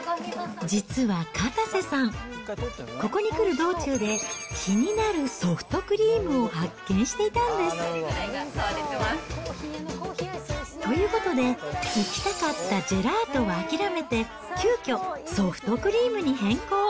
実はかたせさん、ここに来る道中で、気になるソフトクリームを発見していたんです。ということで、行きたかったジェラートは諦めて、急きょ、ソフトクリームに変更